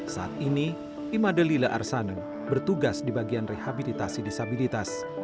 saat ini imade lila arsaneng bertugas di bagian rehabilitasi disabilitas